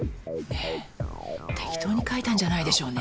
ねえ適当に書いたんじゃないでしょうね。